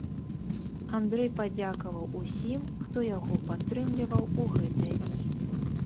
Андрэй падзякаваў усім, хто яго падтрымліваў у гэтыя дні.